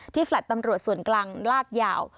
แฟลต์ตำรวจส่วนกลางลากยาว